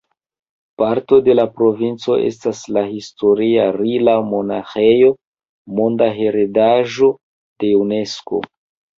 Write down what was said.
Parto de la provinco estas la historia Rila-monaĥejo, Monda Heredaĵo de Unesko.